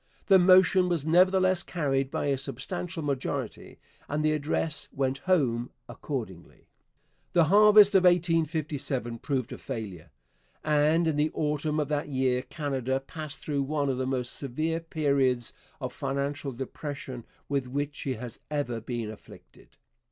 The motion was nevertheless carried by a substantial majority, and the address went home accordingly. The harvest of 1857 proved a failure, and in the autumn of that year Canada passed through one of the most severe periods of financial depression with which she has ever been afflicted.